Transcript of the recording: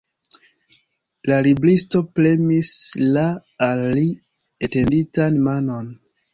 La libristo premis la al li etenditan manon.